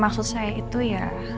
maksud saya itu ya